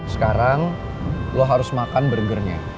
sekarang lo harus makan burgernya